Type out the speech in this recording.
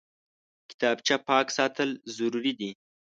کتابچه پاک ساتل ضروري دي